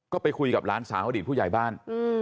ก็ไปคุยกับหลานสาวอดีตผู้ใหญ่บ้าน